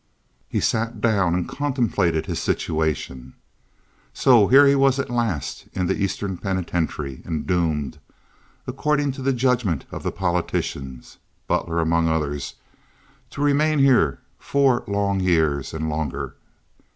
He sat down and contemplated his situation. So here he was at last in the Eastern Penitentiary, and doomed, according to the judgment of the politicians (Butler among others), to remain here four long years and longer.